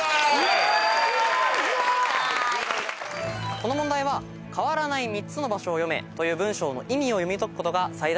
この問題は「かわらない３つの場所を読め」という文章の意味を読み解くことが最大のポイントでした。